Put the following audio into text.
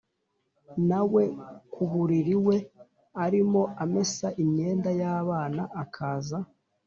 na we ku buriri, we arimo amesa imyenda y’abana akaza